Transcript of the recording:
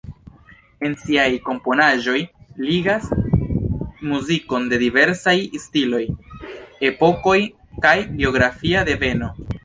En siaj komponaĵoj ligas muzikon de diversaj stiloj, epokoj kaj geografia deveno.